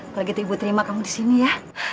kalau gitu ibu terima kamu disini ya